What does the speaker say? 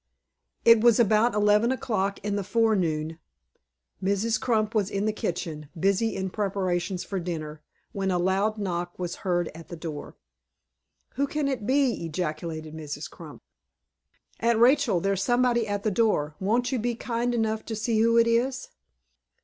IT was about eleven o'clock in the forenoon, Mrs. Crump was in the kitchen, busy in preparations for dinner, when a loud knock was heard at the door. "Who can it be?" ejaculated Mrs. Crump. "Aunt Rachel, there's somebody at the door; won't you be kind enough to see who it is?"